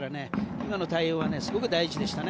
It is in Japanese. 今の対応はすごく大事でしたね。